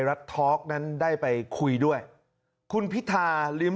และก็ให้เกิดให้ด้วยนะครับ